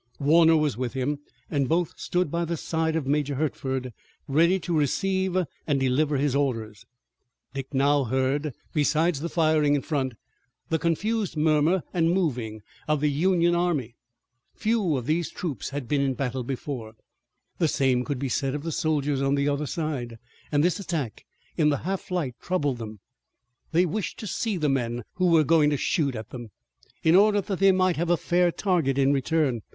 Warner was with him and both stood by the side of Major Hertford, ready to receive and deliver his orders. Dick now heard besides the firing in front the confused murmur and moving of the Union army. Few of these troops had been in battle before the same could be said of the soldiers on the other side and this attack in the half light troubled them. They wished to see the men who were going to shoot at them, in order that they might have a fair target in return.